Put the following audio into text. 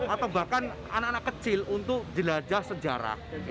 atau bahkan anak anak kecil untuk jelajah sejarah